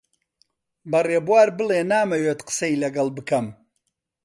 بە ڕێبوار بڵێ نامەوێت قسەی لەگەڵ بکەم.